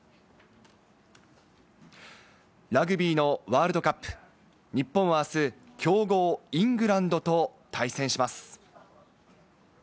ラグビーのワールドカップ、日本はあす、強豪イングランドと対戦します。